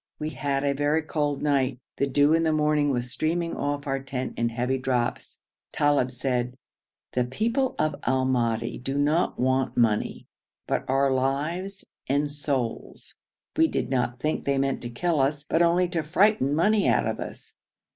We had a very cold night; the dew in the morning was streaming off our tent in heavy drops. Talib said, 'The people of Al Madi do not want money, but our lives and souls.' We did not think they meant to kill us, but only to frighten money out of us.